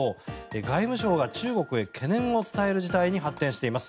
外務省が中国へ懸念を伝える事態に発展しています。